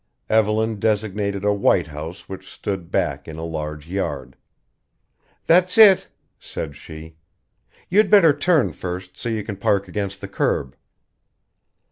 Evelyn designated a white house which stood back in a large yard. "That's it," said she. "You'd better turn first, so you can park against the curb."